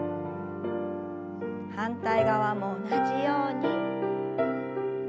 反対側も同じように。